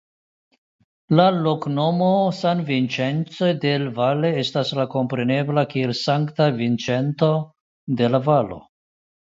La loknomo "San Vicente del Valle" estas komprenbebla kiel "Sankta Vincento de la Valo".